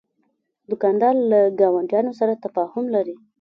دوکاندار له ګاونډیانو سره تفاهم لري.